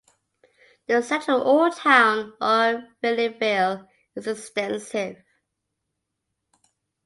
The central "old town" or "vieille ville" is extensive.